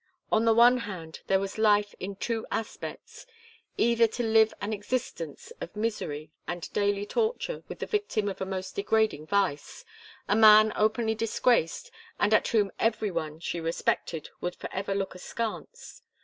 On the one hand, there was life in two aspects. Either to live an existence of misery and daily torture with the victim of a most degrading vice, a man openly disgraced, and at whom every one she respected would forever look askance.